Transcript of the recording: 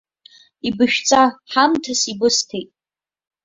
Ибышәҵа, ҳамҭас ибысҭеит.